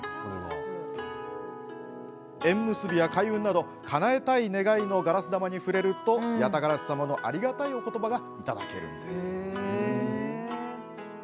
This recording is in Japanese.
縁結びや開運などかなえたい願いのガラス玉に触れると八咫烏様のありがたいお言葉がいただけるんです。